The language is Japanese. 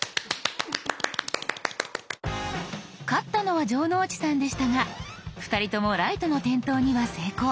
勝ったのは城之内さんでしたが２人ともライトの点灯には成功。